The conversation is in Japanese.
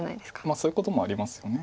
まあそういうこともありますよね。